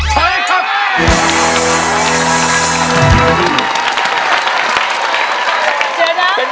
เชดัง